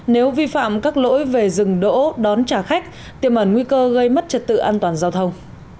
nếu vi phạm các lỗi về dừng đỗ đón trả khách tiềm ẩn nguy cơ gây mất trật tự an toàn giao thông